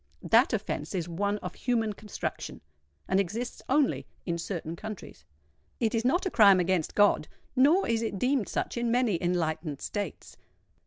That offence is one of human construction, and exists only in certain countries: it is not a crime against God—nor is it deemed such in many enlightened states.